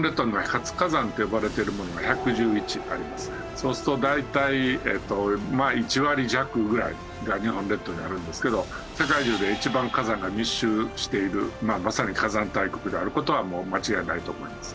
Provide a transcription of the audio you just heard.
そうすると大体１割弱ぐらいが日本列島にあるんですけど世界中で一番火山が密集しているまさに火山大国である事は間違いないと思います。